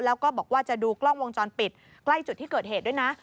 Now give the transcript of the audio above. แล้วก็บอกว่าจะดูกล้องวงจรปิดใกล้จุดที่เกิดเหตุด้วยนะ